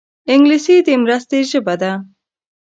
انګلیسي د مرستې ژبه ده